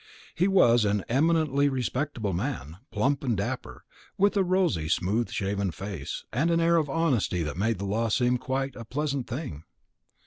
He was an eminently respectable man, plump and dapper, with a rosy smooth shaven face, and an air of honesty that made the law seem quite a pleasant thing.